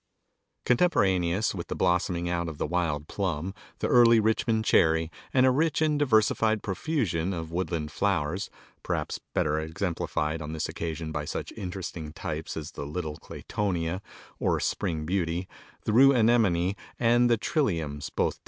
_) Contemporaneous with the blossoming out of the wild plum, the early Richmond cherry and a rich and diversified profusion of woodland flowers, perhaps better exemplified on this occasion by such interesting types as the little Claytonia, or spring beauty, the rue anemone and the trilliums, both T.